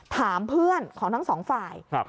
ถามเพื่อนของทั้งสองฝ่าย